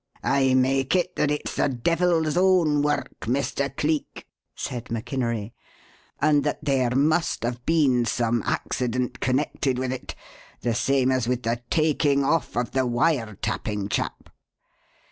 "I make it that it's the devil's own work, Mr. Cleek," said MacInery, "and that there must have been some accident connected with it, the same as with the taking off of the wire tapping chap."